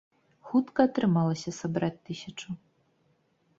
Хутка атрымалася сабраць тысячу?